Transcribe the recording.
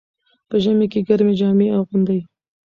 په ژمي کې ګرمې جامې اغوندئ.